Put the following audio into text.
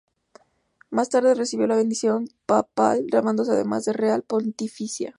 Más tarde recibió la bendición papal llamándose además de "Real", "Pontificia".